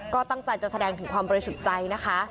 ก็ตั้งใจจะแสดงถึงความบริสุทธิ์ใจนะคะ